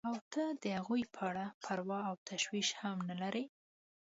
او ته د هغوی په اړه پروا او تشویش هم نه لرې.